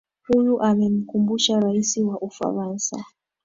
huyu amemkumbusha raisi wa ufaransa